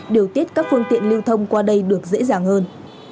điều tiết các phương tiện lưu thông qua đây được dễ dàng hơn